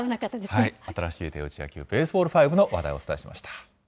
新しい手打ち野球、ベースボール５の話題をお伝えしました。